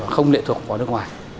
không lệ thuộc vào nước ngoài